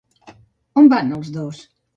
On van els dos?